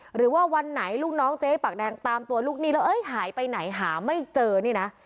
หรือว่าวันไหนลูกน้องเจ๊ปากแดงตามตัวลูกหนี้แล้วเอ้ยหายไปไหนหาไม่เจอนี่นะ